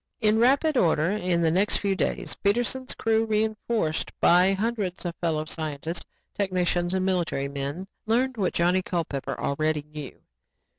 In rapid order in the next few days, Peterson's crew reinforced by hundreds of fellow scientists, technicians and military men, learned what Johnny Culpepper already knew.